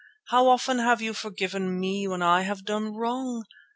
How often have you forgiven me when I have done wrong?